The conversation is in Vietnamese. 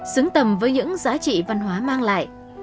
xứng tầm với những giá trị văn hóa mang lại